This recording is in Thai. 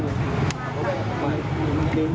หมาก็วิ่ง